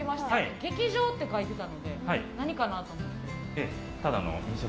劇場って書いてたので何かなと思って。